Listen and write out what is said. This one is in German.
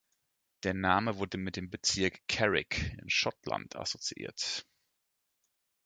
Der Name wurde mit dem Bezirk Carrick in Schottland assoziiert.